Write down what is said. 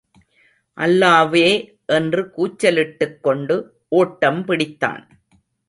அல்லாவே என்று கூச்சலிட்டுக் கொண்டு ஓட்டம் பிடித்தான்.